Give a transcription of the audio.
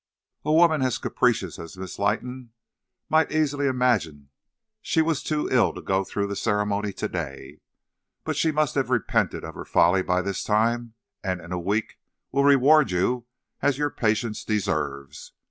A woman as capricious as Miss Leighton might easily imagine she was too ill to go through the ceremony to day. But she must have repented of her folly by this time, and in a week will reward you as your patience deserves.